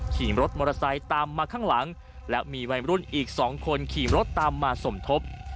ขี่รถมอเตอร์ไซค์ตามมาข้างหลังและมีวัยรุ่นอีก๒คนขี่รถตามมาสมทบ